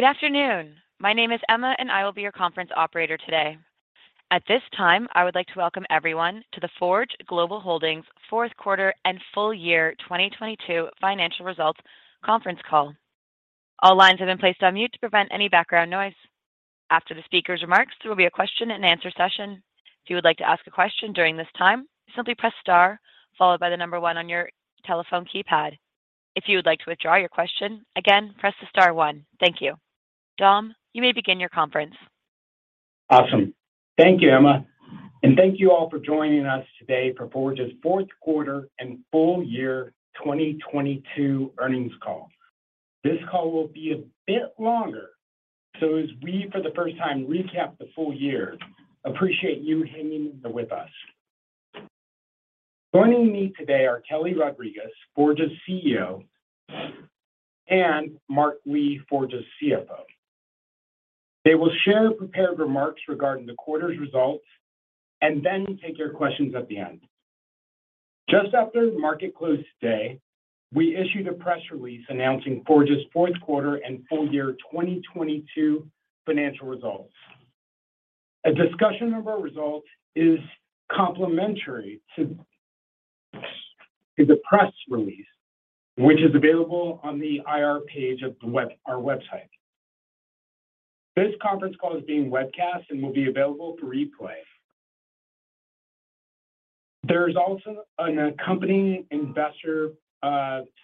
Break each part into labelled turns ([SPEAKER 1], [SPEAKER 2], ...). [SPEAKER 1] Good afternoon. My name is Emma. I will be your conference operator today. At this time, I would like to welcome everyone to the Forge Global Holdings fourth quarter and full year 2022 financial results conference call. All lines have been placed on mute to prevent any background noise. After the speaker's remarks, there will be a question and answer session. If you would like to ask a question during this time, simply press star followed by the one on your telephone keypad. If you would like to withdraw your question, again, press the star one. Thank you. Dom, you may begin your conference.
[SPEAKER 2] Awesome. Thank you, Emma. Thank you all for joining us today for Forge's fourth quarter and full year 2022 earnings call. This call will be a bit longer, as we, for the first time, recap the full year, appreciate you hanging in there with us. Joining me today are Kelly Rodriques, Forge's CEO, and Mark Lee, Forge's CFO. They will share prepared remarks regarding the quarter's results then take your questions at the end. Just after market close today, we issued a press release announcing Forge's fourth quarter and full year 2022 financial results. A discussion of our results is complementary to the press release, which is available on the IR page of our website. This conference call is being webcast will be available for replay. There is also an accompanying investor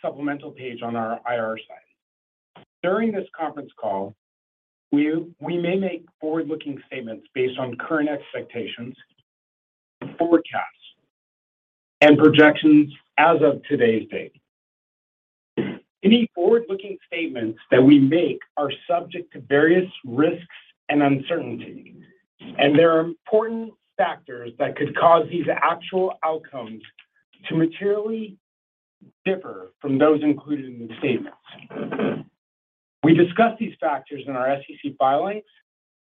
[SPEAKER 2] supplemental page on our IR site. During this conference call, we may make forward-looking statements based on current expectations, forecasts, and projections as of today's date. Any forward-looking statements that we make are subject to various risks and uncertainty, and there are important factors that could cause these actual outcomes to materially differ from those included in the statements. We discuss these factors in our SEC filings,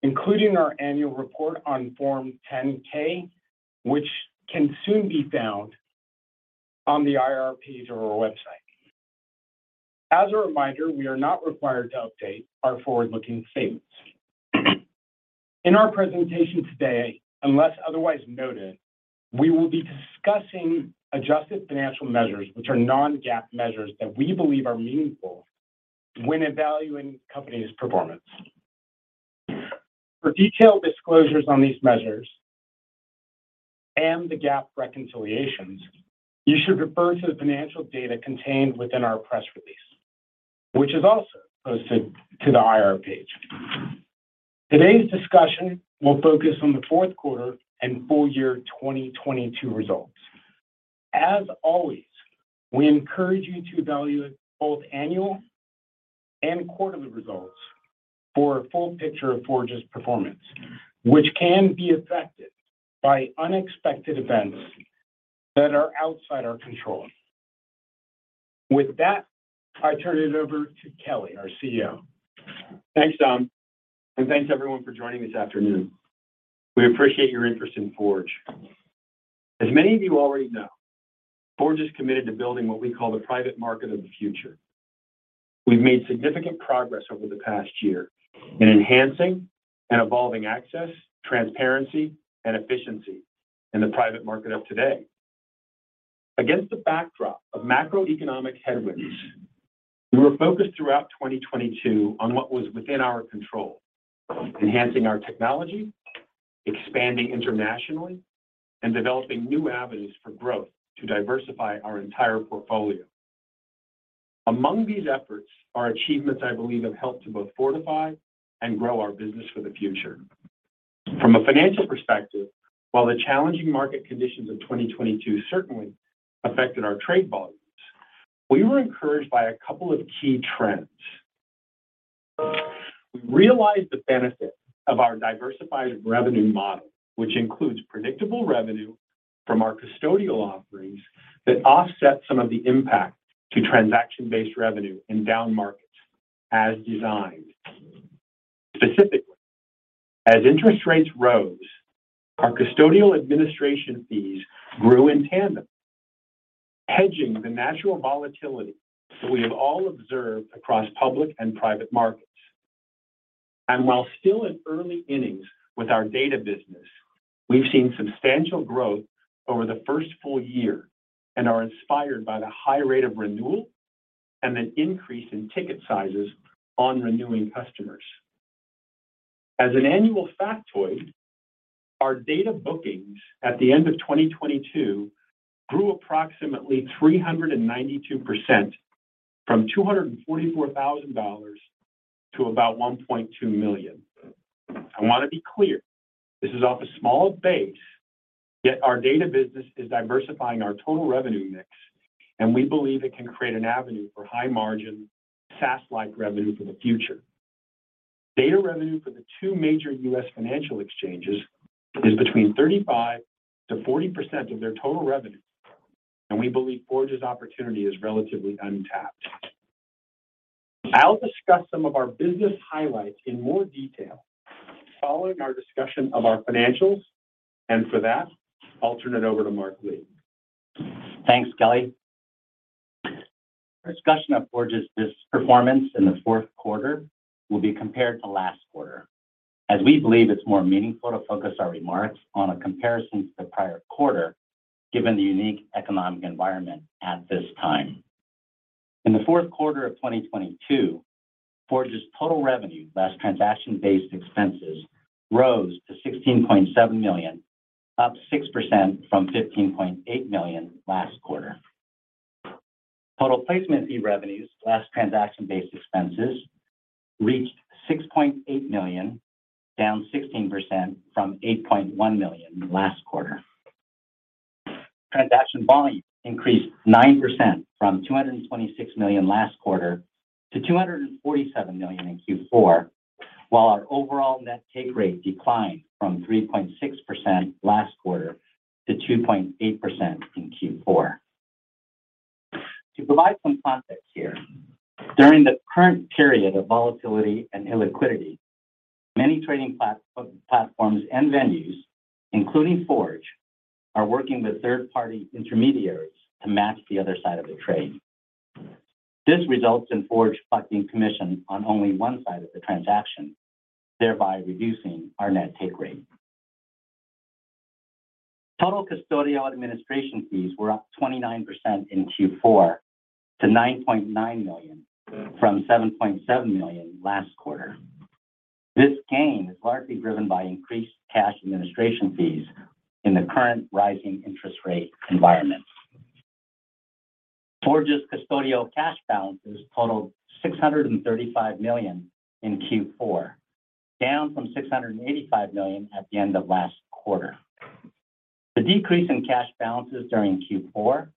[SPEAKER 2] including our annual report on Form 10-K, which can soon be found on the IR page of our website. As a reminder, we are not required to update our forward-looking statements. In our presentation today, unless otherwise noted, we will be discussing adjusted financial measures, which are non-GAAP measures that we believe are meaningful when evaluating company's performance. For detailed disclosures on these measures and the GAAP reconciliations, you should refer to the financial data contained within our press release, which is also posted to the IR page. Today's discussion will focus on the fourth quarter and full year 2022 results. As always, we encourage you to evaluate both annual and quarterly results for a full picture of Forge's performance, which can be affected by unexpected events that are outside our control. With that, I turn it over to Kelly, our CEO.
[SPEAKER 3] Thanks, Dom. Thanks everyone for joining this afternoon. We appreciate your interest in Forge. As many of you already know, Forge is committed to building what we call the private market of the future. We've made significant progress over the past year in enhancing and evolving access, transparency, and efficiency in the private market of today. Against the backdrop of macroeconomic headwinds, we were focused throughout 2022 on what was within our control, enhancing our technology, expanding internationally, and developing new avenues for growth to diversify our entire portfolio. Among these efforts are achievements I believe have helped to both fortify and grow our business for the future. From a financial perspective, while the challenging market conditions of 2022 certainly affected our trade volumes, we were encouraged by a couple of key trends. We realized the benefit of our diversified revenue model, which includes predictable revenue from our custodial offerings that offset some of the impact to transaction-based revenue in down markets as designed. Specifically, as interest rates rose, our custodial administration fees grew in tandem, hedging the natural volatility that we have all observed across public and private markets. While still in early innings with our data business, we've seen substantial growth over the first full year and are inspired by the high rate of renewal and an increase in ticket sizes on renewing customers. As an annual factoid, our data bookings at the end of 2022 grew approximately 392% from $244,000 to about $1.2 million. I wanna be clear, this is off a small base, yet our data business is diversifying our total revenue mix, and we believe it can create an avenue for high-margin SaaS-like revenue for the future. Data revenue for the two major U.S. financial exchanges is between 35%-40% of their total revenue, and we believe Forge's opportunity is relatively untapped. For that, I'll turn it over to Mark Lee.
[SPEAKER 4] Thanks, Kelly. Discussion of Forge's performance in the fourth quarter will be compared to last quarter, as we believe it's more meaningful to focus our remarks on a comparison to the prior quarter given the unique economic environment at this time. In the fourth quarter of 2022, Forge's total revenue less transaction-based expenses rose to $16.7 million, up 6% from $15.8 million last quarter. Total placement fee revenues less transaction-based expenses reached $6.8 million, down 16% from $8.1 million last quarter. Transaction volume increased 9% from $226 million last quarter to $247 million in Q4, while our overall net take rate declined from 3.6% last quarter to 2.8% in Q4. To provide some context here, during the current period of volatility and illiquidity, many trading platforms and venues, including Forge, are working with third-party intermediaries to match the other side of the trade. This results in Forge collecting commission on only one side of the transaction, thereby reducing our net take rate. Total custodial administration fees were up 29% in Q4 to $9.9 million from $7.7 million last quarter. This gain is largely driven by increased cash administration fees in the current rising interest rate environment. Forge's custodial cash balances totaled $635 million in Q4, down from $685 million at the end of last quarter. The decrease in cash balances during Q4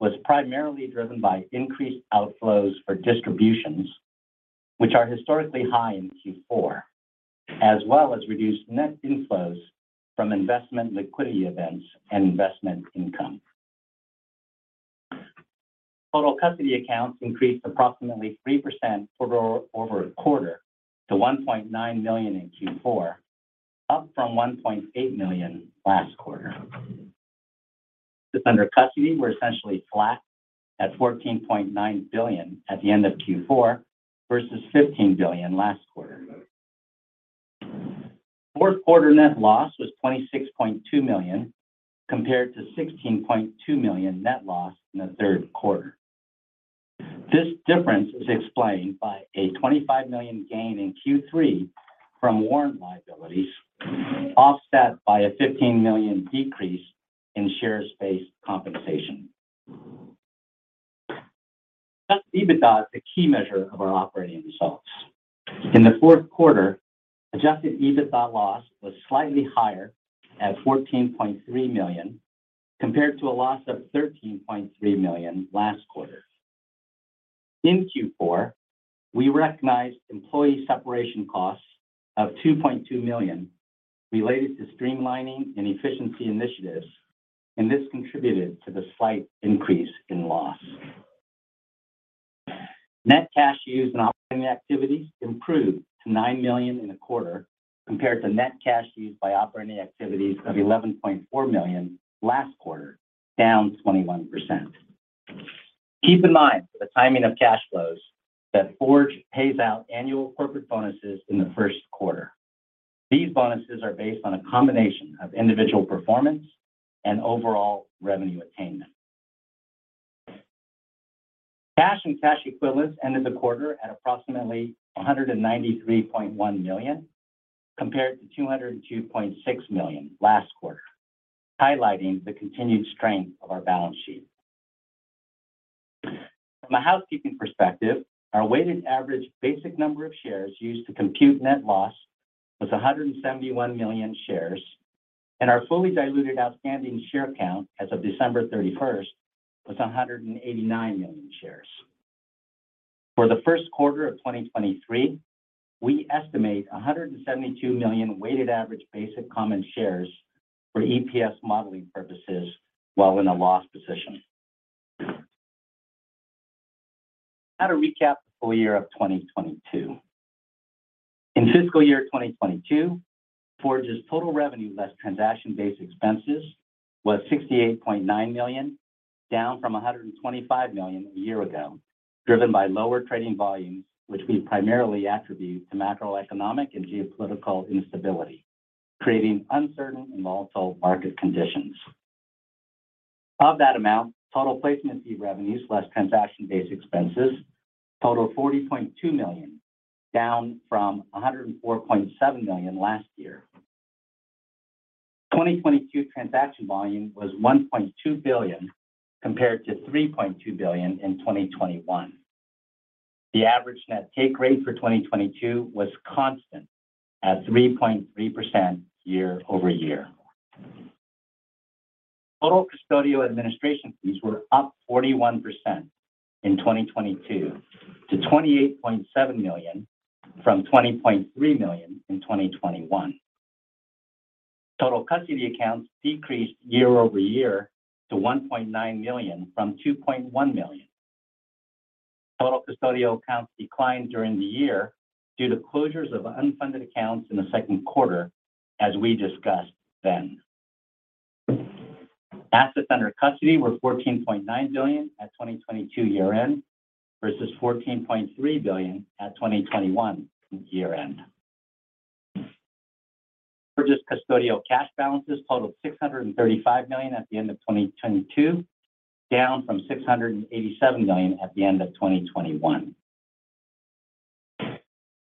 [SPEAKER 4] was primarily driven by increased outflows for distributions, which are historically high in Q4, as well as reduced net inflows from investment liquidity events and investment income. Total custody accounts increased approximately 3% quarter-over-quarter to $1.9 million in Q4, up from $1.8 million last quarter. Assets under custody were essentially flat at $14.9 billion at the end of Q4 versus $15 billion last quarter. Fourth quarter net loss was $26.2 million compared to $16.2 million net loss in the third quarter. This difference is explained by a $25 million gain in Q3 from warrant liabilities offset by a $15 million decrease in shares-based compensation. Adjusted EBITDA is the key measure of our operating results. In the fourth quarter, Adjusted EBITDA loss was slightly higher at $14.3 million compared to a loss of $13.3 million last quarter. In Q4, we recognized employee separation costs of $2.2 million related to streamlining and efficiency initiatives, and this contributed to the slight increase in loss. Net cash used in operating activities improved to $9 million in a quarter compared to net cash used by operating activities of $11.4 million last quarter, down 21%. Keep in mind for the timing of cash flows that Forge pays out annual corporate bonuses in the first quarter. These bonuses are based on a combination of individual performance and overall revenue attainment. Cash and cash equivalents ended the quarter at approximately $193.1 million compared to $202.6 million last quarter, highlighting the continued strength of our balance sheet. From a housekeeping perspective, our weighted average basic number of shares used to compute net loss was 171 million shares, and our fully diluted outstanding share count as of December 31st was 189 million shares. For the first quarter of 2023, we estimate 172 million weighted average basic common shares for EPS modeling purposes while in a loss position. To recap the full year of 2022. In fiscal year 2022, Forge's total revenue less transaction-based expenses was $68.9 million, down from $125 million a year ago, driven by lower trading volumes, which we primarily attribute to macroeconomic and geopolitical instability, creating uncertain and volatile market conditions. Of that amount, total placement fee revenues less transaction-based expenses totaled $40.2 million, down from $104.7 million last year. 2022 transaction volume was $1.2 billion compared to $3.2 billion in 2021. The average net take rate for 2022 was constant at 3.3% year-over-year. Total custodial administration fees were up 41% in 2022 to $28.7 million from $20.3 million in 2021. Total custody accounts decreased year-over-year to 1.9 million from 2.1 million. Total custodial accounts declined during the year due to closures of unfunded accounts in the second quarter, as we discussed then. Assets under custody were $14.9 billion at 2022 year-end versus $14.3 billion at 2021 year-end. Forge's custodial cash balances totaled $635 million at the end of 2022, down from $687 million at the end of 2021.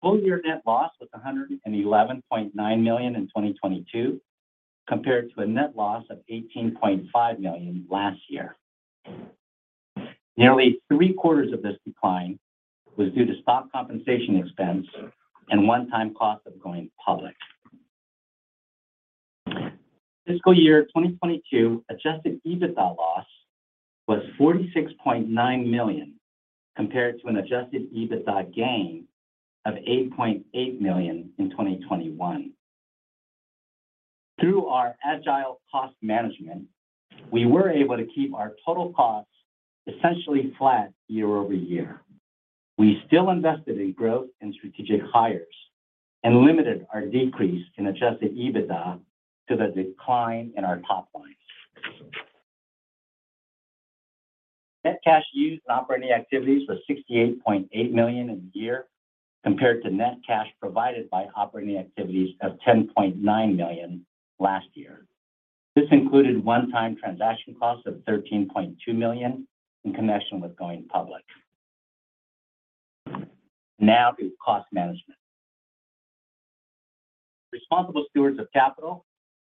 [SPEAKER 4] Full year net loss was $111.9 million in 2022, compared to a net loss of $18.5 million last year. Nearly three-quarters of this decline was due to stock compensation expense and one-time cost of going public. Fiscal year 2022 Adjusted EBITDA loss was $46.9 million, compared to an Adjusted EBITDA gain of $8.8 million in 2021. Through our agile cost management, we were able to keep our total costs essentially flat year-over-year. We still invested in growth and strategic hires and limited our decrease in Adjusted EBITDA to the decline in our top line. Net cash used in operating activities was $68.8 million in the year, compared to net cash provided by operating activities of $10.9 million last year. This included one-time transaction costs of $13.2 million in connection with going public. To cost management. Responsible stewards of capital,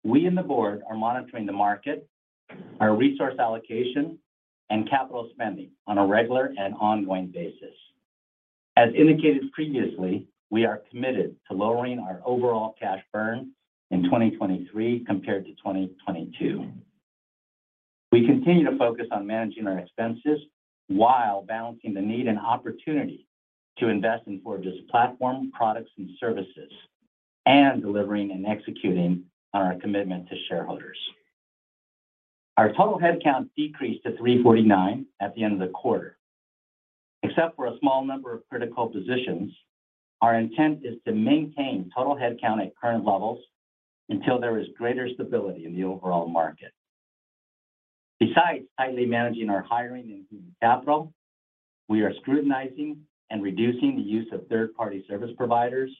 [SPEAKER 4] we and the board are monitoring the market, our resource allocation, and capital spending on a regular and ongoing basis. As indicated previously, we are committed to lowering our overall cash burn in 2023 compared to 2022. We continue to focus on managing our expenses while balancing the need and opportunity to invest in Forge's platform, products, and services, and delivering and executing on our commitment to shareholders. Our total head count decreased to 349 at the end of the quarter. Except for a small number of critical positions, our intent is to maintain total head count at current levels until there is greater stability in the overall market. Besides tightly managing our hiring and human capital, we are scrutinizing and reducing the use of third-party service providers,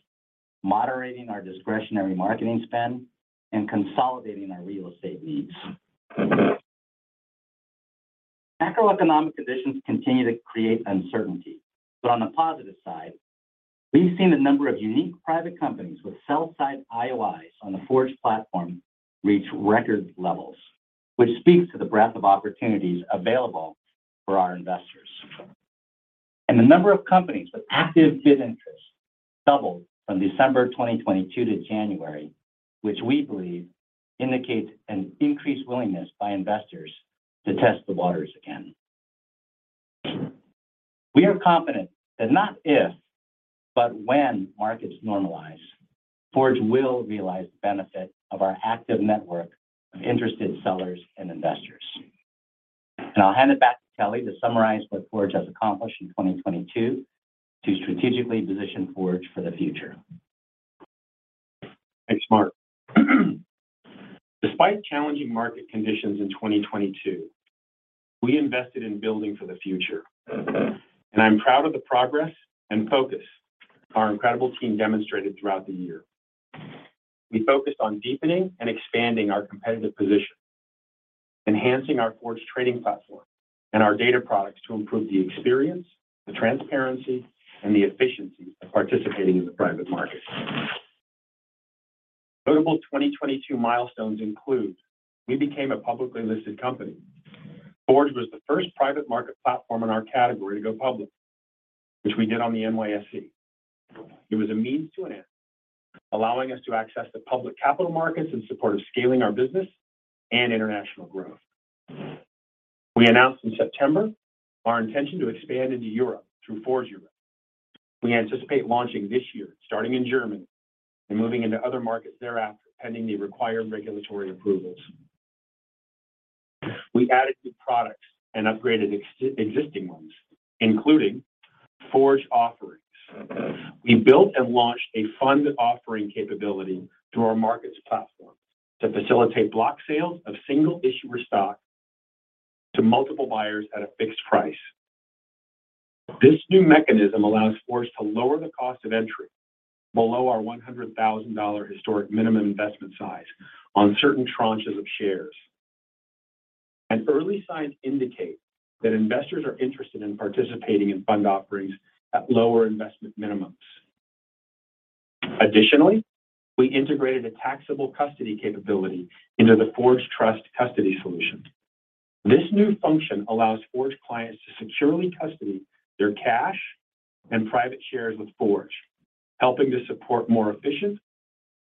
[SPEAKER 4] moderating our discretionary marketing spend, and consolidating our real estate needs. Macroeconomic conditions continue to create uncertainty. On the positive side, we've seen the number of unique private companies with sell-side IOIs on the Forge platform reach record levels, which speaks to the breadth of opportunities available for our investors. The number of companies with active bid interest doubled from December 2022 to January, which we believe indicates an increased willingness by investors to test the waters again. We are confident that not if, but when markets normalize, Forge will realize the benefit of our active network of interested sellers and investors. I'll hand it back to Kelly to summarize what Forge has accomplished in 2022 to strategically position Forge for the future.
[SPEAKER 3] Thanks, Mark. Despite challenging market conditions in 2022, we invested in building for the future. I'm proud of the progress and focus our incredible team demonstrated throughout the year. We focused on deepening and expanding our competitive position, enhancing our Forge trading platform and our data products to improve the experience, the transparency, and the efficiency of participating in the private market. Notable 2022 milestones include we became a publicly listed company. Forge was the first private market platform in our category to go public, which we did on the NYSE. It was a means to an end, allowing us to access the public capital markets in support of scaling our business and international growth. We announced in September our intention to expand into Europe through Forge Europe. We anticipate launching this year, starting in Germany, moving into other markets thereafter, pending the required regulatory approvals. We added new products and upgraded existing ones, including Forge Offerings. We built and launched a fund offering capability through our markets platform to facilitate block sales of single issuer stock to multiple buyers at a fixed price. This new mechanism allows Forge to lower the cost of entry below our $100,000 historic minimum investment size on certain tranches of shares. Early signs indicate that investors are interested in participating in fund offerings at lower investment minimums. Additionally, we integrated a taxable custody capability into the Forge Trust custody solution. This new function allows Forge clients to securely custody their cash and private shares with Forge, helping to support more efficient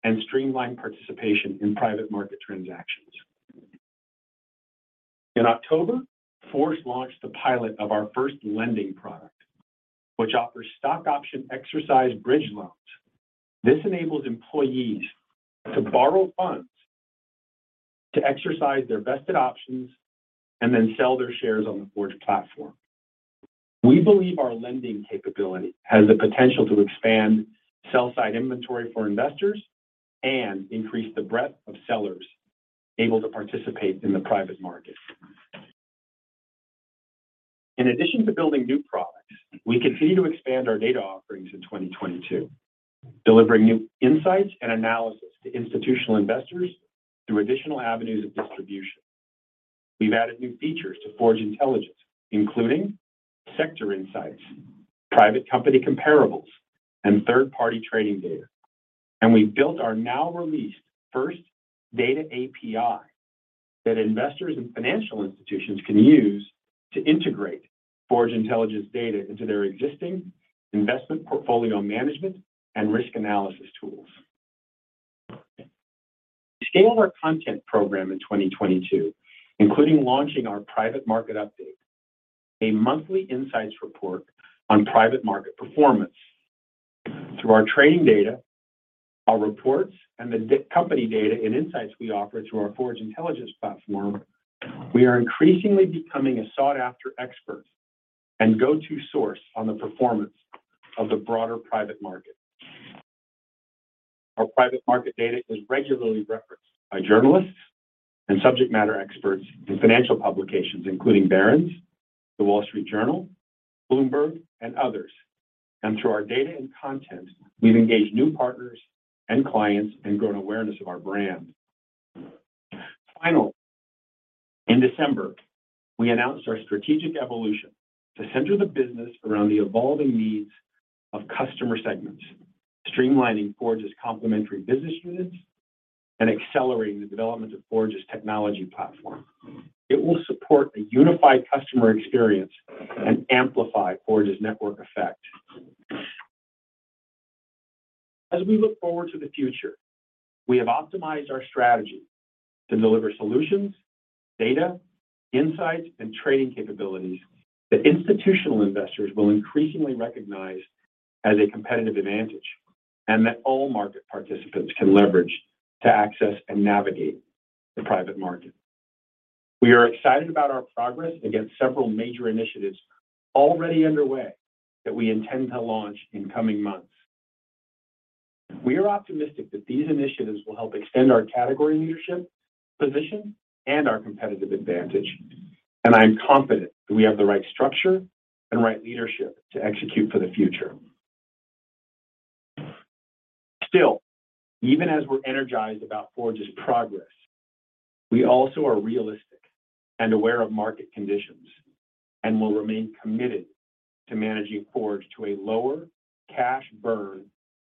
[SPEAKER 3] and streamlined participation in private market transactions. In October, Forge launched the pilot of our first lending product, which offers stock option exercise bridge loans. This enables employees to borrow funds to exercise their vested options and then sell their shares on the Forge platform. We believe our lending capability has the potential to expand sell side inventory for investors and increase the breadth of sellers able to participate in the private market. In addition to building new products, we continue to expand our data offerings in 2022, delivering new insights and analysis to institutional investors through additional avenues of distribution. We've added new features to Forge Intelligence, including sector insights, private company comparables, and third-party trading data. We built our now released first data API that investors and financial institutions can use to integrate Forge Intelligence data into their existing investment portfolio management and risk analysis tools. We scaled our content program in 2022, including launching our Private Market Update, a monthly insights report on private market performance. Through our trading data, our reports, and company data and insights we offer through our Forge Intelligence platform, we are increasingly becoming a sought-after expert and go-to source on the performance of the broader private market. Our private market data is regularly referenced by journalists and subject matter experts in financial publications, including Barron's, The Wall Street Journal, Bloomberg, and others. Through our data and content, we've engaged new partners and clients and grown awareness of our brand. Finally, in December, we announced our strategic evolution to center the business around the evolving needs of customer segments, streamlining Forge's complementary business units and accelerating the development of Forge's technology platform. It will support a unified customer experience and amplify Forge's network effect. As we look forward to the future, we have optimized our strategy to deliver solutions, data, insights, and trading capabilities that institutional investors will increasingly recognize as a competitive advantage and that all market participants can leverage to access and navigate the private market. We are excited about our progress against several major initiatives already underway that we intend to launch in coming months. We are optimistic that these initiatives will help extend our category leadership position and our competitive advantage. I am confident that we have the right structure and right leadership to execute for the future. Even as we're energized about Forge's progress, we also are realistic and aware of market conditions and will remain committed to managing Forge to a lower cash burn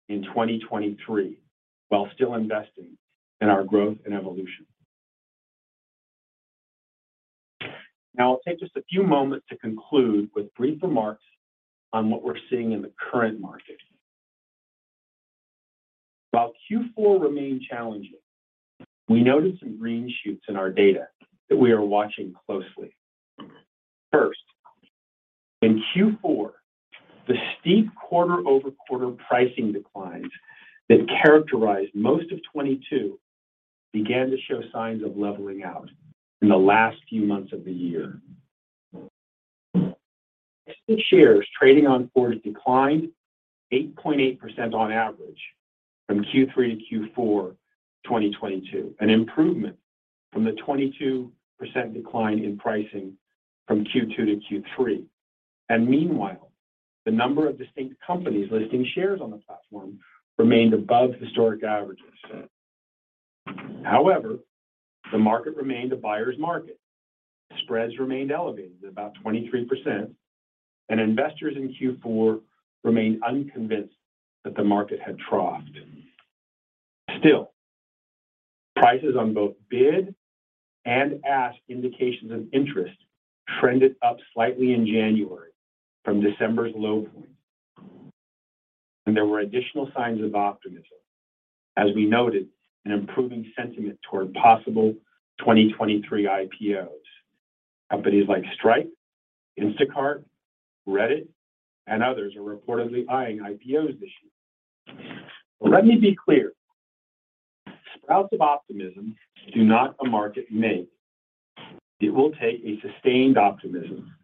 [SPEAKER 3] in 2023 while still investing in our growth and evolution. Now, I'll take just a few moments to conclude with brief remarks on what we're seeing in the current market. While Q4 remained challenging, we noted some green shoots in our data that we are watching closely. First, in Q4, the steep quarter-over-quarter pricing declines that characterized most of 2022 began to show signs of leveling out in the last few months of the year. Existing shares trading on Forge declined 8.8% on average from Q3 to Q4 2022, an improvement from the 22% decline in pricing from Q2 to Q3. Meanwhile, the number of distinct companies listing shares on the platform remained above historic averages. However, the market remained a buyer's market. Spreads remained elevated at about 23%, and investors in Q4 remained unconvinced that the market had troughed. Still, prices on both bid and ask indications of interest trended up slightly in January from December's low point. There were additional signs of optimism as we noted an improving sentiment toward possible 2023 IPOs. Companies like Stripe, Instacart, Reddit, and others are reportedly eyeing IPOs this year. Let me be clear, sprouts of optimism do not a market make. It will take a sustained optimism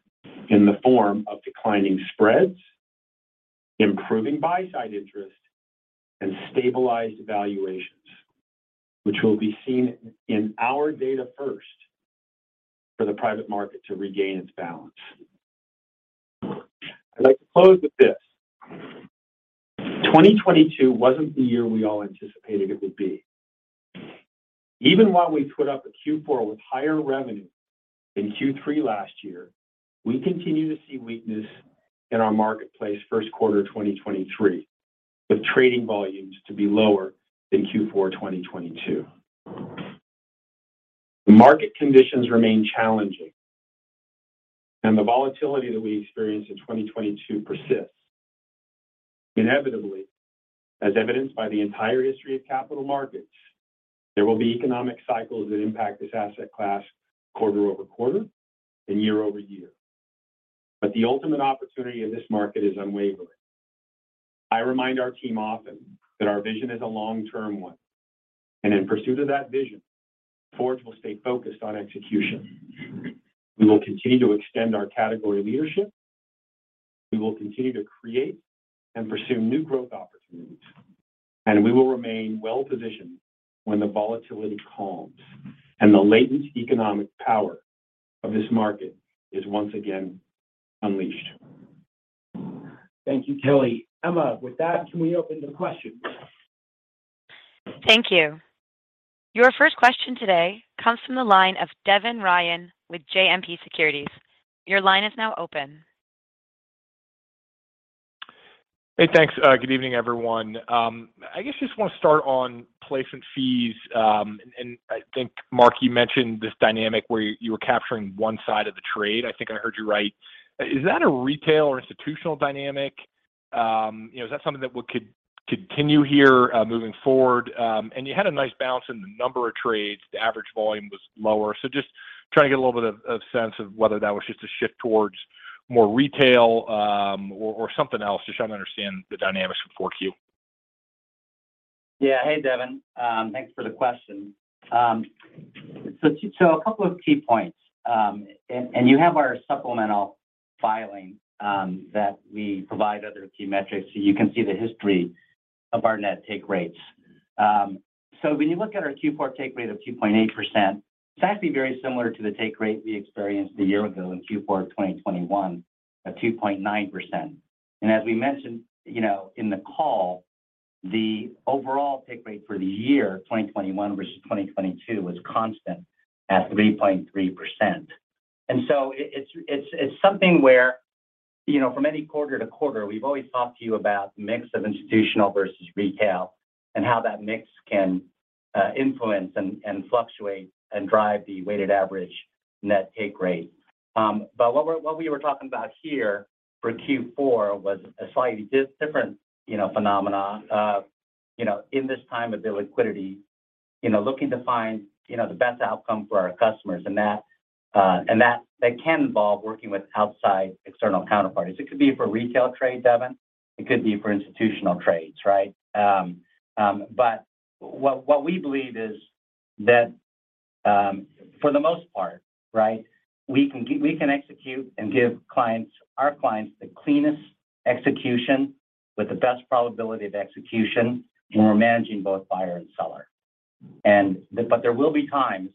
[SPEAKER 3] in the form of declining spreads, improving buy-side interest, and stabilized valuations, which will be seen in our data first for the private market to regain its balance. I'd like to close with this. 2022 wasn't the year we all anticipated it would be. Even while we put up a Q4 with higher revenue than Q3 last year, we continue to see weakness in our marketplace first quarter 2023, with trading volumes to be lower than Q4 2022. The market conditions remain challenging, and the volatility that we experienced in 2022 persists. Inevitably, as evidenced by the entire history of capital markets, there will be economic cycles that impact this asset class quarter-over-quarter and year-over-year. The ultimate opportunity in this market is unwavering. I remind our team often that our vision is a long-term one, and in pursuit of that vision, Forge will stay focused on execution. We will continue to extend our category leadership, we will continue to create and pursue new growth opportunities, and we will remain well-positioned when the volatility calms and the latent economic power of this market is once again unleashed.
[SPEAKER 2] Thank you, Kelly. Emma, with that, can we open to questions?
[SPEAKER 1] Thank you. Your first question today comes from the line of Devin Ryan with JMP Securities. Your line is now open.
[SPEAKER 5] Hey, thanks. Good evening, everyone. I guess I just wanna start on placement fees, and I think, Mark, you mentioned this dynamic where you were capturing one side of the trade. I think I heard you right. Is that a retail or institutional dynamic? You know, is that something that we could continue here, moving forward? And you had a nice balance in the number of trades. The average volume was lower, so just trying to get a little bit of sense of whether that was just a shift towards more retail, or something else. Just trying to understand the dynamics for 4Q.
[SPEAKER 4] Yeah. Hey, Devin. thanks for the question. a couple of key points. and you have our supplemental filing, that we provide other key metrics, so you can see the history of our net take rates. when you look at our Q4 take rate of 2.8%, it's actually very similar to the take rate we experienced a year ago in Q4 of 2021, at 2.9%. as we mentioned, you know, in the call, the overall take rate for the year, 2021 versus 2022, was constant at 3.3%. It's something where, you know, from any quarter to quarter, we've always talked to you about mix of institutional versus retail and how that mix can influence and fluctuate and drive the weighted average net take rate. What we were talking about here for Q4 was a slightly different, you know, phenomena. In this time of illiquidity, you know, looking to find, you know, the best outcome for our customers and that can involve working with outside external counterparties. It could be for retail trades, Devin, it could be for institutional trades, right? What we believe is that, for the most part, right, we can execute and give clients, our clients the cleanest execution with the best probability of execution when we're managing both buyer and seller. There will be times,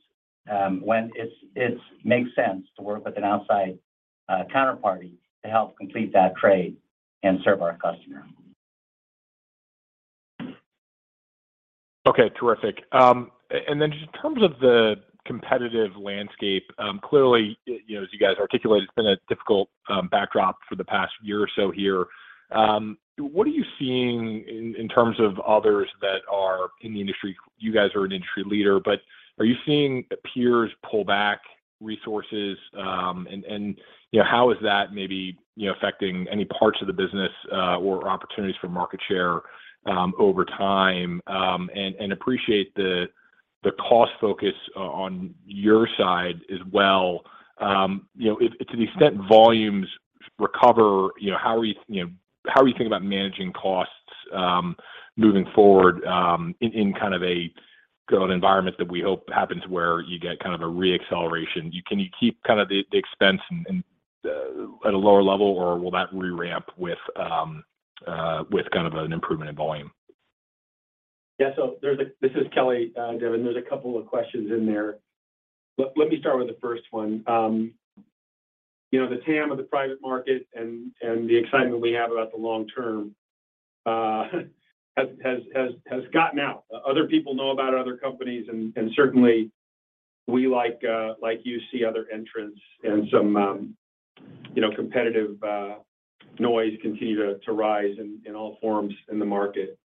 [SPEAKER 4] when it makes sense to work with an outside counterparty to help complete that trade and serve our customer.
[SPEAKER 5] Terrific. Then just in terms of the competitive landscape, clearly, you know, as you guys articulated, it's been a difficult backdrop for the past year or so here. What are you seeing in terms of others that are in the industry-- you guys are an industry leader, but are you seeing peers pull back resources? And, you know, how is that maybe, you know, affecting any parts of the business or opportunities for market share over time? And appreciate the cost focus on your side as well. You know, if to the extent volumes recover, how are you thinking about managing costs moving forward, in kind of a growth environment that we hope happens where you get kind of a re-acceleration? Can you keep kind of the expense and, at a lower level or will that re-ramp with kind of an improvement in volume?
[SPEAKER 3] This is Kelly, Devin. There's a couple of questions in there. Let me start with the first one. you know, the TAM of the private market and the excitement we have about the long term has gotten out. Other people know about other companies and certainly we, like you, see other entrants and some, you know, competitive noise continue to rise in all forms in the market.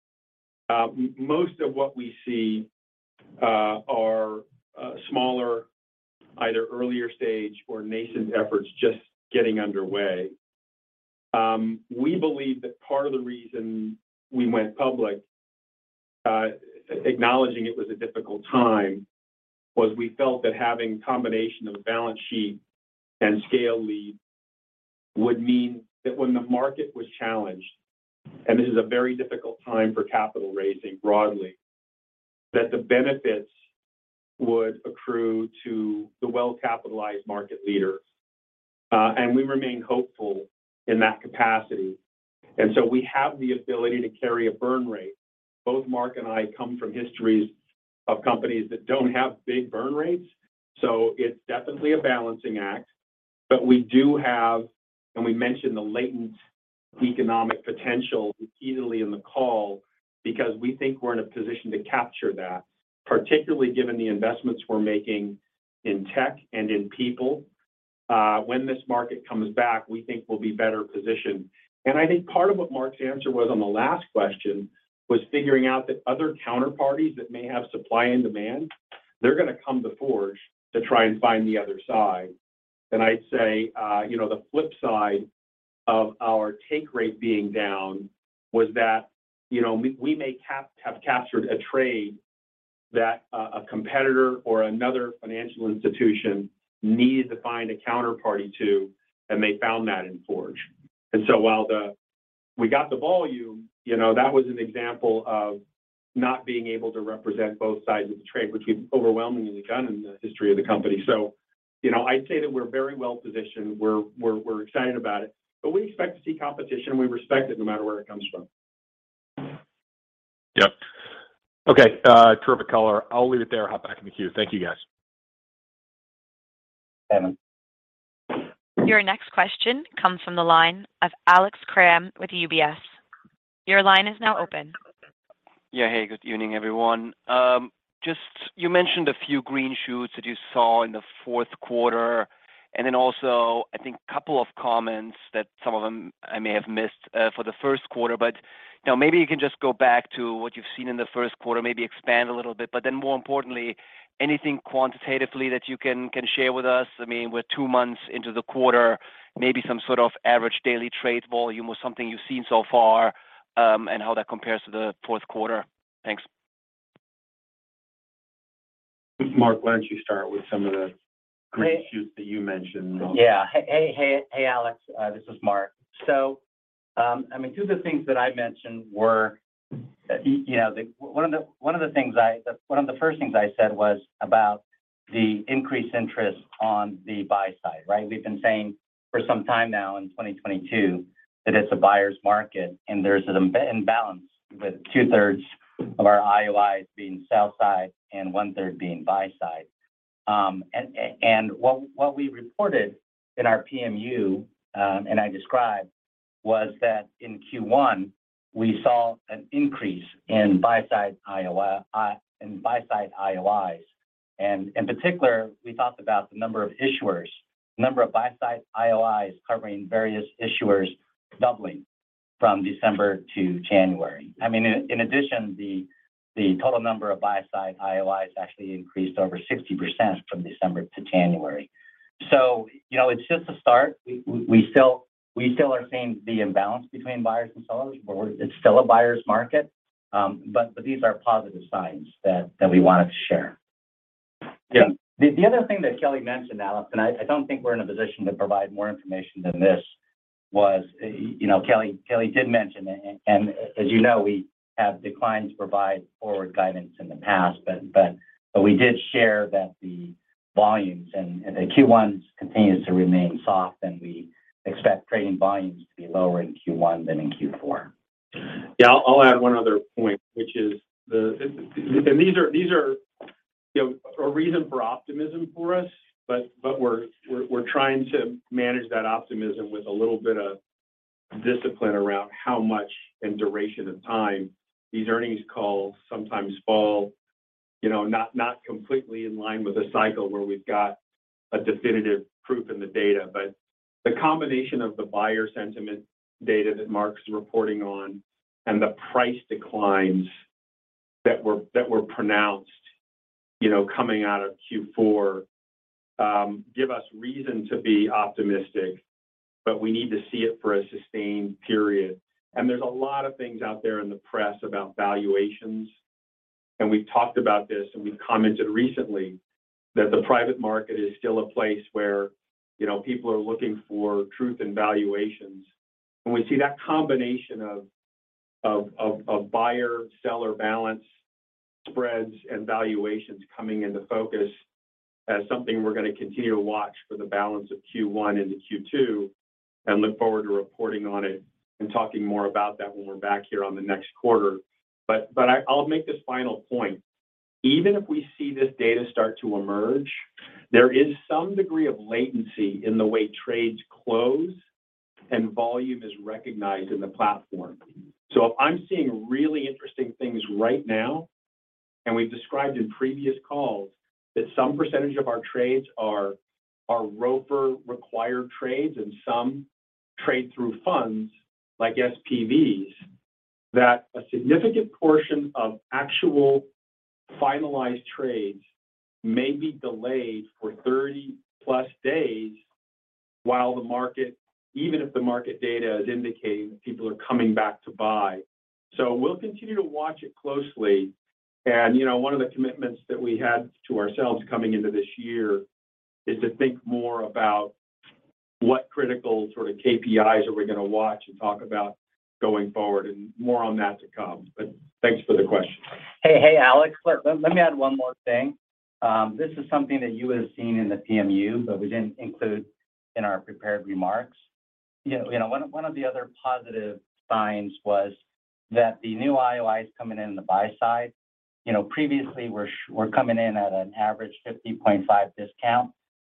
[SPEAKER 3] most of what we see are smaller either earlier stage or nascent efforts just getting underway. We believe that part of the reason we went public, acknowledging it was a difficult time, was we felt that having combination of a balance sheet and scale lead would mean that when the market was challenged, and this is a very difficult time for capital raising broadly, that the benefits would accrue to the well-capitalized market leader. We remain hopeful in that capacity. We have the ability to carry a burn rate. Both Mark and I come from histories of companies that don't have big burn rates, so it's definitely a balancing act. We do have, and we mentioned the latent economic potential easily in the call because we think we're in a position to capture that, particularly given the investments we're making in tech and in people. When this market comes back, we think we'll be better positioned. I think part of what Mark's answer was on the last question was figuring out that other counterparties that may have supply and demand, they're gonna come to Forge to try and find the other side. I'd say, you know, the flip side of our take rate being down was that, you know, we may have captured a trade that a competitor or another financial institution needed to find a counterparty to, and they found that in Forge. While we got the volume, you know, that was an example of not being able to represent both sides of the trade, which we've overwhelmingly done in the history of the company. You know, I'd say that we're very well-positioned. We're excited about it, but we expect to see competition. We respect it no matter where it comes from.
[SPEAKER 5] Yep. Okay. terrific color. I'll leave it there. Hop back in the queue. Thank you, guys.
[SPEAKER 3] Emma.
[SPEAKER 1] Your next question comes from the line of Alex Kramm with UBS. Your line is now open.
[SPEAKER 6] Yeah. Hey, good evening, everyone. Just you mentioned a few green shoots that you saw in the fourth quarter. Also I think couple of comments that some of them I may have missed for the first quarter. You know, maybe you can just go back to what you've seen in the first quarter, maybe expand a little bit. More importantly, anything quantitatively that you can share with us. I mean, we're two months into the quarter, maybe some sort of average daily trade volume or something you've seen so far, and how that compares to the fourth quarter. Thanks.
[SPEAKER 3] Mark, why don't you start with some of the green shoots that you mentioned?
[SPEAKER 4] Yeah. Hey, hey, Alex Kramm. This is Mark Lee. I mean, two of the things that I mentioned were, you know, one of the first things I said was about the increased interest on the buy side, right? We've been saying for some time now in 2022 that it's a buyer's market, and there's an imbalance with 2/3 of our IOIs being sell side and 1/3 being buy side. What we reported in our PMU, and I described was that in Q1, we saw an increase in buy side IOIs. In particular, we talked about the number of issuers. The number of buy side IOIs covering various issuers doubling from December to January. I mean, in addition, the total number of buy side IOIs actually increased over 60% from December to January. You know, it's just a start. We still are seeing the imbalance between buyers and sellers, it's still a buyer's market. These are positive signs that we wanted to share.
[SPEAKER 3] Yeah.
[SPEAKER 4] The other thing that Kelly mentioned, Alex, I don't think we're in a position to provide more information than this, was, you know, Kelly did mention. As you know, we have declined to provide forward guidance in the past, but we did share that the volumes and the Q1 continues to remain soft. We expect trading volumes to be lower in Q1 than in Q4.
[SPEAKER 3] Yeah. I'll add one other point, which is the... These are, you know, a reason for optimism for us, but we're trying to manage that optimism with a little bit of discipline around how much and duration of time these earnings calls sometimes fall, you know, not completely in line with the cycle where we've got a definitive proof in the data. The combination of the buyer sentiment data that Mark's reporting on and the price declines that were pronounced, you know, coming out of Q4, give us reason to be optimistic, but we need to see it for a sustained period. There's a lot of things out there in the press about valuations, and we've talked about this, and we've commented recently that the private market is still a place where, you know, people are looking for truth in valuations. We see that combination of buyer-seller balance spreads and valuations coming into focus as something we're going to continue to watch for the balance of Q1 into Q2, and look forward to reporting on it and talking more about that when we're back here on the next quarter. I'll make this final point. Even if we see this data start to emerge, there is some degree of latency in the way trades close and volume is recognized in the platform. If I'm seeing really interesting things right now, and we've described in previous calls that some percentage of our trades are ROFR-required trades and some trade through funds like SPVs, that a significant portion of actual finalized trades may be delayed for 30-plus days even if the market data is indicating that people are coming back to buy. We'll continue to watch it closely. You know, one of the commitments that we had to ourselves coming into this year is to think more about what critical sort of KPIs are we going to watch and talk about going forward, and more on that to come. Thanks for the question.
[SPEAKER 4] Hey, hey, Alex. Let me add one more thing. This is something that you would have seen in the PMU, but we didn't include in our prepared remarks. You know, one of the other positive signs was that the new IOIs coming in on the buy side. You know, previously we're coming in at an average 50.5% discount,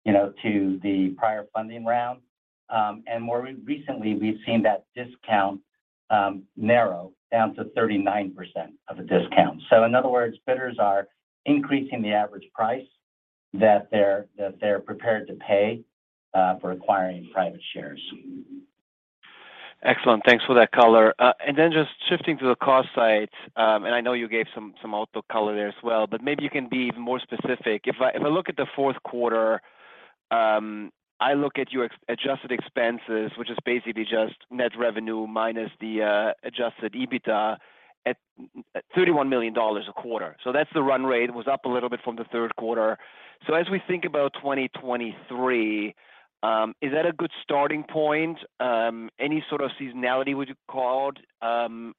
[SPEAKER 4] you know, to the prior funding round. And more recently, we've seen that discount narrow down to 39% of a discount. In other words, bidders are increasing the average price that they're prepared to pay for acquiring private shares.
[SPEAKER 6] Excellent. Thanks for that color. Then just shifting to the cost side, and I know you gave some outlook color there as well, but maybe you can be even more specific. If I look at the fourth quarter, I look at your ex-Adjusted expenses, which is basically just net revenue minus the Adjusted EBITDA at $31 million a quarter. That's the run rate. It was up a little bit from the third quarter. As we think about 2023, is that a good starting point? Any sort of seasonality would you call out?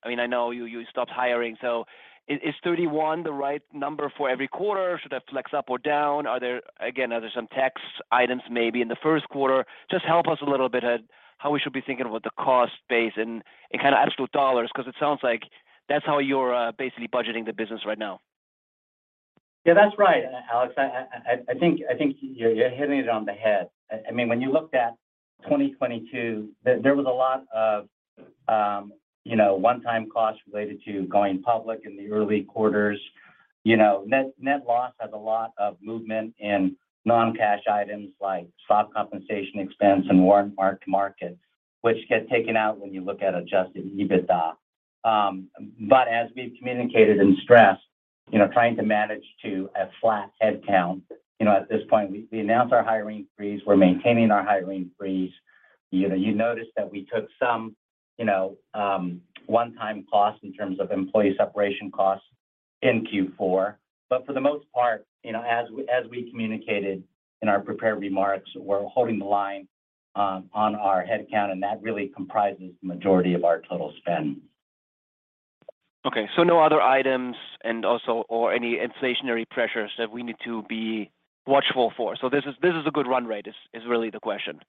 [SPEAKER 6] I mean, I know you stopped hiring, so is 31 the right number for every quarter? Should that flex up or down? Are there, again, are there some tax items maybe in the first quarter? Just help us a little bit at how we should be thinking about the cost base and, in kind of absolute dollars, 'cause it sounds like that's how you're basically budgeting the business right now.
[SPEAKER 4] Yeah, that's right, Alex. I think you're hitting it on the head. I mean, when you looked at 2022, there was a lot of, you know, one-time costs related to going public in the early quarters. You know, net loss has a lot of movement in non-cash items like stock compensation expense and warrant mark-to-market, which get taken out when you look at Adjusted EBITDA. As we've communicated and stressed, you know, trying to manage to a flat headcount, you know, at this point. We announced our hiring freeze, we're maintaining our hiring freeze. You know, you noticed that we took some, you know, one-time costs in terms of employee separation costs in Q4. For the most part, you know, as we, as we communicated in our prepared remarks, we're holding the line, on our headcount, and that really comprises the majority of our total spend.
[SPEAKER 6] Okay, no other items or any inflationary pressures that we need to be watchful for. This is a good run rate, is really the question.